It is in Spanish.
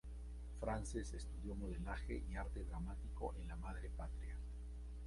Frances estudió modelaje y arte dramático en la madre patria.